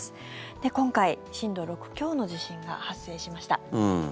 で、今回震度６強の地震が発生しました。